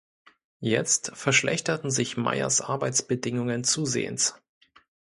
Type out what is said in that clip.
Jetzt verschlechterten sich Meyers Arbeitsbedingungen zusehends.